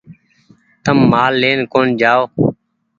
تم مآل لين ڪون جآئو